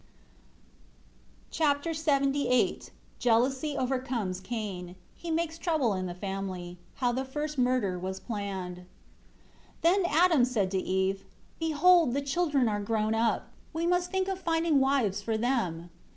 Chapter LXXVIII Jealousy overcomes Cain. He makes trouble in the family. How the first murder was planned. 1 Then Adam said to Eve, "Behold the children are grown up; we must think of finding wives for them."